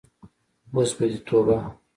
اوس به دې توبه.